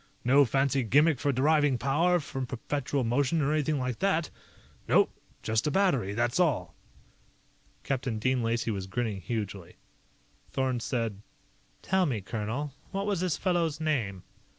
No fancy gimmick for deriving power from perpetual motion or anything like that. Nope. Just a battery, that's all." Captain Dean Lacey was grinning hugely. Thorn said: "Tell me, colonel what was this fellow's name?"